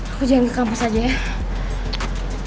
aku jangan ke kampus aja ya